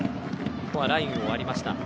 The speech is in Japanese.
ここはラインを割りました。